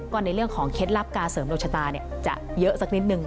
ก็ในเรื่องของเคล็ดลับการเสริมดวงชะตาจะเยอะสักนิดนึง